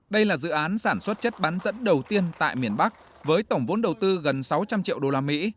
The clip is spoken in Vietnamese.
đây là dự án sản xuất chất bán dẫn đầu tiên tại miền bắc với tổng vốn đầu tư gần sáu trăm linh triệu đô la mỹ